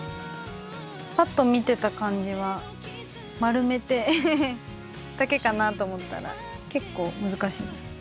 ぱっと見てた感じは丸めてだけかなと思ったら結構難しい。